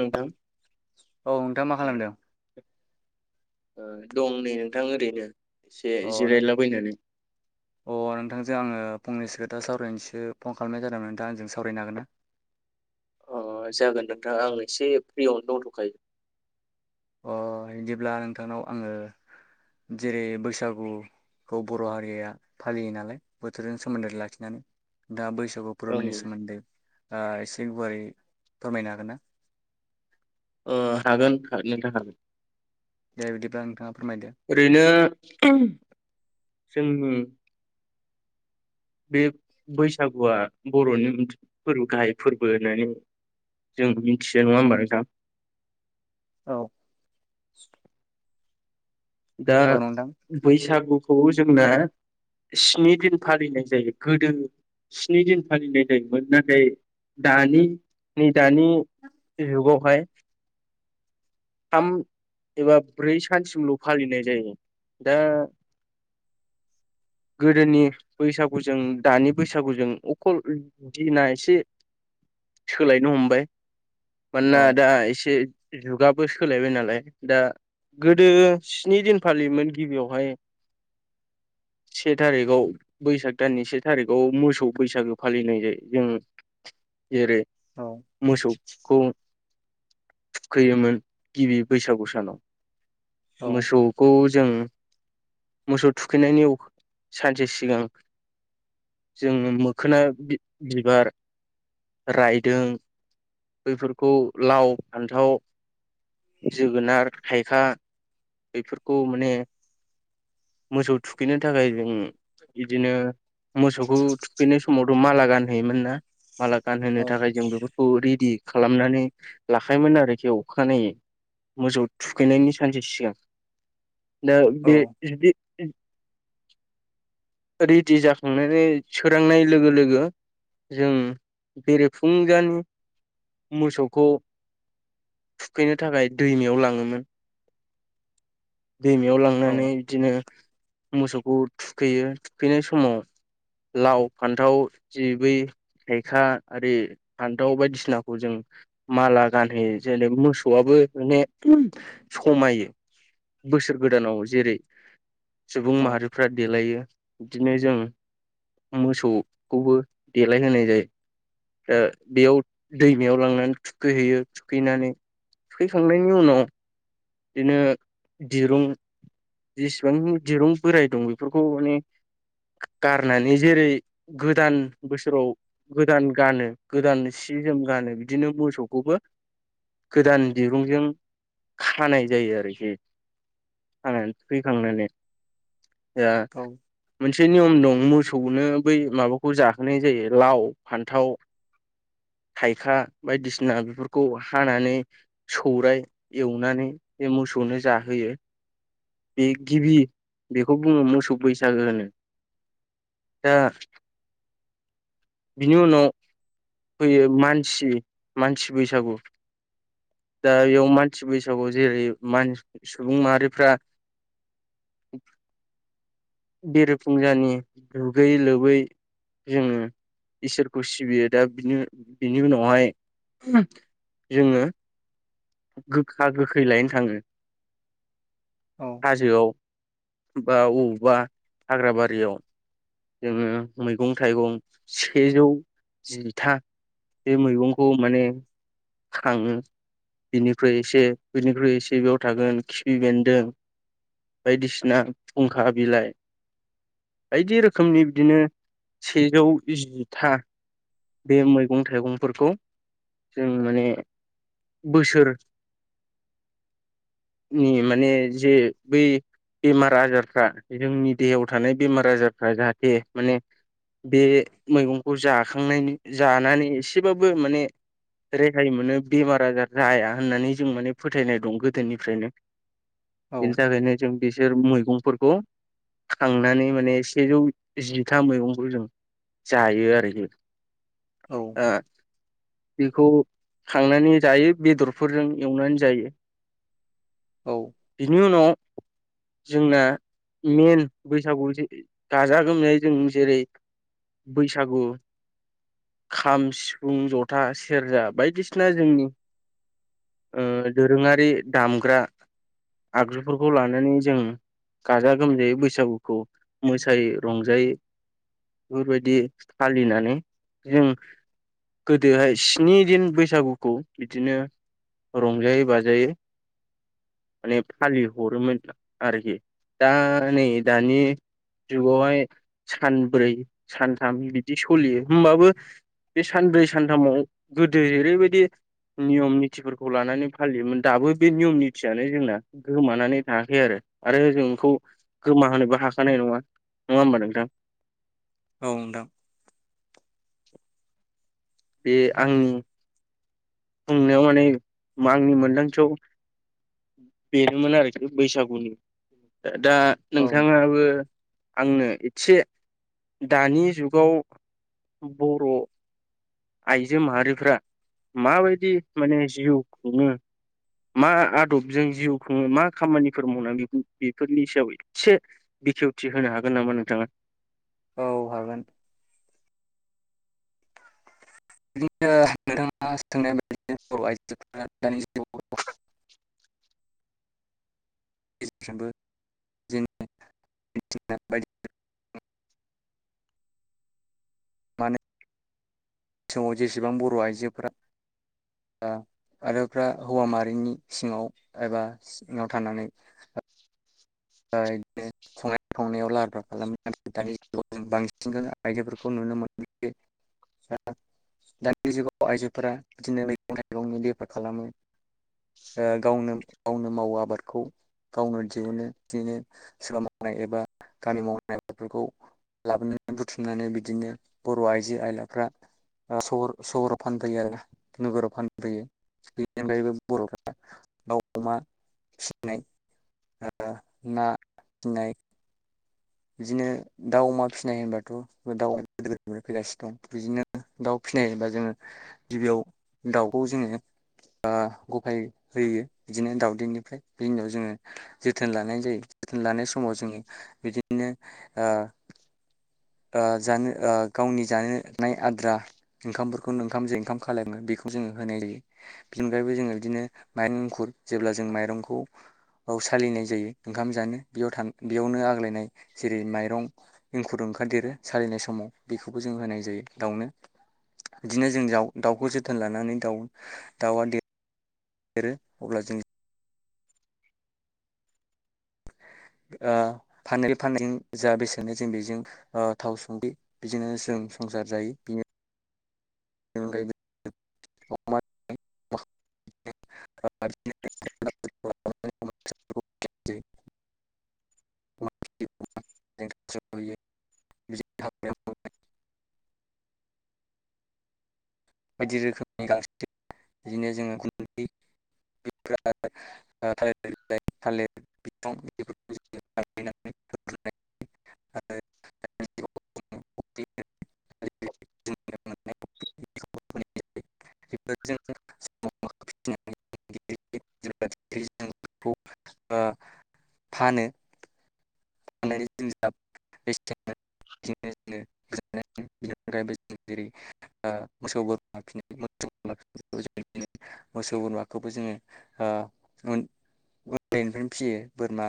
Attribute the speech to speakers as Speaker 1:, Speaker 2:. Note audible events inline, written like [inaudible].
Speaker 1: नोंथां
Speaker 2: औ नोंथाङा मा खालामदों?
Speaker 1: ओ दं नै नोंथां ओरैनो। एसे
Speaker 2: अ अ
Speaker 1: जिरायलाबायनानै
Speaker 2: नोंथांजों आङो फंनैसो खोथा सावरायनोसो फन खालामनाय जादोंमोन नोंथाङा आंजों सावरायनो हागोन ना?
Speaker 1: अ जागोन नोंथां आं एसे फ्रियावनो दंथ'खायो।
Speaker 2: अ बिदिब्ला नोंथांनाव आङो जेरै बैसागुखौ बर' हारिया फालियो नालाय बोथोरजों सोमोन्दो लाखिनानै दा बैसागु
Speaker 1: ओं
Speaker 2: फोरबुनि सोमोन्दै एसे गुवारै फोरमायनो हागोन ना?
Speaker 1: ओ हागोन नोंथां हागोन।
Speaker 2: दे बिदिब्ला नोंथाङा फोरमायदो
Speaker 1: ओरैनो जोंनि बे बैसागुआ बर'नि फोरबो गाहाय फोरबो होननानै जों मिथियो नङा होमबा नोंथा?
Speaker 2: औ
Speaker 1: दा
Speaker 2: औ नोंथां
Speaker 1: बैसागु खौ जोंना स्नि दिन फालिनाय जायो गोदो स्नि दिन फालिनाय जायोमोन नाथाय दानि नै दानि जुगावहाय थाम एबा ब्रै सानसिमल' फालिनाय जायो दा गोदोनि बैसागुजों दानि बैसागुजों अखल दिना एसे सोलायनो हमबाय। मानोना
Speaker 2: औ
Speaker 1: दा एसे जुगाब बो सोलायबाय नालाय दा गोदो स्नि दिन फालियोमोन गिबियावहाय से थारिखआव बैसाग दाननि से थारिखआव मोसौ बैसागो फालिनाय जायो जों जेरै
Speaker 2: औ
Speaker 1: मोसौखौ थुखैयोमोन। गिबि बैसागु सानाव
Speaker 2: औ
Speaker 1: मोसौखौ। जों मोसौ थुखैनायनि सानसे सिगां जों मोखोना बिबार रायदों बैफोरखौ लाव फान्थाव। जोगोनार थायखा बेफोरखौ माने मोसौ थुखैनो थाखाय जों बिदिनो। मोसौखौ थुखैनाय। समावथ' माला गानहैयोमोन ना। माला गानहोनो
Speaker 2: औ
Speaker 1: थाखाय जों बेफोरखौ रेडि। खालामनानै लाखायोमोन आरोखि औ। अखानायै मोजौ थुखैनायनि सानसे सिगां न
Speaker 2: औ
Speaker 1: बे। [inaudible] रेडि जाखांनानै सोरांनाय लोगो लोगो जों बेरेफुंजानि मोसौखौ थुखैनो थाखाय दैमायाव लाङोमोन। दैमायाव
Speaker 2: औ
Speaker 1: लांनानै बिदिनो मोसौखौ थुखैयो थुखैनाय समाव लाव-फान्थाव जिबै थाइखा आरि फान्थाव बायदिसिनाखौ जों माला गानहोयो जेरै- मोसौआबो माने समायो बोसोर गोदानाव जेरै सुबुं माहारिफ्रा देलायो बिदिनो जों मोसौखौबो देलायहोनाय जायो दा बेयाव दैमायाव लांनानै थुखैहैयो थुखैनानै थुखैखांनायनि उनाव बिदिनो दिरुं जेसेबां दिरुं बोराइ दं बेफोरखौ माने गारनानै जेरै गोदान बोसोराव गोदान गानो गोदान सि जोम गानो बिदिनो मोसौखौबो गोदान दिरुंजों खा खानाय जायो आरोखि खानानै थुखैखांनानै
Speaker 2: औ
Speaker 1: मोनसे नियम दं मोर सौनो बै माबाखौ जाहोनाय जायो लाव फान्थाव थाइखा बायदिसिना बेफोरखौ हानानै सौराय एवनानै बे मोसौनो जाहोयो बे गिबि बेखौ बुङो मोसौ बैसागो होनो दा बिनि उनाव फैयो मानसि मानसि बैसागु दा बेयाव मानसि बैसागु जेरै सुबुं माहारिफ्रा बिरे फुंजानि दुगैयै-लोबै जोङो इसोरखौ सिबियो दा बिनि उनावहाय जोङो गोखा-गोखै लायनो थाङो। हाजोआव। बा बबेावबा हाग्राबारियाव जोङो मैगं-थाइगं सेजौ जिथा बे मैगंखौ माने खाङो बिनिख्रुइ एसे बिनिख्रुइ एसे बेयाव थागोन खिफि बेन्दों बायदिसिना फुंखा बिलाइ बायदि रोखोमनि बिदिनो सेजौ जिथा बे मैगं थाइगंफोरखौ जों माने बोसोर नि माने जे बै बेमार आजारफ्रा जोंनि देहायाव थानाय बेमार आजारफ्रा जाहाथे माने बे मैगंखौ जाखायो खांनायनि जानानै एसेबाबो माने रेहाय मोनो बेमार आजार जाया होननानै जों माने फोथायनाय दं गोदोनिफ्रायनो
Speaker 2: औ
Speaker 1: बेनि थाखायनो जों बेसोर मै मैगंफोरखौ खांनानै माने सेजौ जिथा मैगंफोर जों जायो आरो ओ। बेखौ खांनानै जायो बेदरफोरजों एवनानै जायो
Speaker 2: औ।
Speaker 1: बेनि उनाव जोंना मेन बैसागु गाजा गोमजायै जों जेरै बैसागु खाम, सिफुं, जथा, सेरजा बायदिसिना जोंनि ओ दोरोङारि दामग्रा आगजुफोरखौ लानानै जों गाजा गोमजायै बैसागुखौ मोसायै रंजायै बेफोरबायदि फालिनानै जों गोदोहाय स्नि दिन बैसागुखौ बिदिनो रंजायै बाजायै माने फालिहरोमोन आरोखि दा नै दानि जुगावहाय सानब्रै सानथाम बिदि सलियो होमबाबो बे सानब्रै सानथामाव गोदो जरैबायदि नियम नितफोरखौ लानानै फालियोमोन दाबो बे नियम नितियानो जोंना गोमानानै थायाखै आरो। आरो जोंखौ गोमाहोबो हाखानाय नङा नङा होमबा नोंथां?
Speaker 2: औ नोंथां।
Speaker 1: बे आंनि बुंनायाव माने आंनि मोनदांथियाव बेनोमोन आरोखि बैसागुनि दा
Speaker 2: औ
Speaker 1: नोंथाङाबो आंनो एसे दानि जुगाव बर' आइजो माहारिफ्रा माबायदि माने जिउ खुङो मा आदबजों जिउ खुङो मा खामानिफोर मावना बेफोरनि सायाव एसे बिखेवथि होनो हागोन नामा नोंथाङा?
Speaker 2: औ हागोन। बि [unintelligible] नो नोंथां आ सोंनाया [unintelligible] नो बर' आइजो [unintelligible] माने समाव जेसेबां बर' आइजोफ्रा ओ आरोफ्रा हौवा माहारिनि सिङाव एबा [unintelligible] ङाव थानानै ओ इदिनो संनाय खावनायाव लाहार फाहार खालामो आरो दानि जुगाव जों बांसिन आइजोफोरखौ नुनो मोनो दानि जुगाव आइजोफोरा बिदिनो मैगं थाइगंनि बेफार खालामो ओ गावनो गावनो मावो आबादखौ गावनो दिहुनो। बिदिनो सोरबा मावनाय एबा गामि मावनाय आबादफोरखौ लाबोनानै बुथुमनानै बिदिनो बर' आइजो आइलाफ्रा सहर सहर फानफैयो आरो नोगोराव फानफैयो बेनिनगायबो बरफ दाउ अमा फिसिनाय ओ ना नै बिदिनो दाउ अमा फिनाय होनबाथ दाउ गो [unintelligible] फैगासि दं बिदिनो दाउ फिनाय होनबा जोङो गिबियाव दाउखौ जोङो ओ गफाय होयो बिदिनो दाउदैनिफ्राय बि उनाव जोङो जोथोन लानाय जायो जोथोन लानाय समाव जोङो बिदि बिदिनो ओ ओ जानो ओ गावनि जानो नाय आद्रा ओंखामफोरखौनो ओंखाम जे ओंखाम खालाय बेखौ जोङो होनाय जायो बिनि अनगायैबो जोङो बिदिनो माइरं एंखुर जेब्ला जों माइरंखौ ओ सालिनाय जायो ओंखाम जानो बेयाव था बेयावनो आग्लायनाय जेरै माइरं एंखुर ओंखा [unintelligible] देरो साललिनाय समाव बेखौबो जों होनाय जायो दाउनो बिदिनो जों जाव दाउखौ जोथोन लानानै दाउ दाउआ देर देरो अब्ला जों ओ फान [unintelligible] जों जा बेसेनो जों बेजों ओ थाव संख्रि बिदिनो जों संसार जायो बिनो [unintelligible] [inaudible] [unintelligible] [inaudible] बायदि रोखोमनि [unintelligible] बिदिनो जोङो गुन्दै [unintelligible] [unintelligible] ओ फानो [unintelligible] [inaudible] [unintelligible] बिनि अनगायैबो जों जेरै ओ मोसौ बोरमा फिनो [unintelligible] मोसौ बोरमाखौबो जोङो ओ उन उन्दैनिफ्रायनो फियो बोरमा